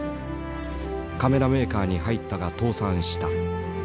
カメラメーカーに入ったが倒産した。